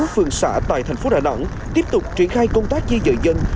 sáu phương xã tại thành phố đà nẵng tiếp tục triển khai công tác di dợ dân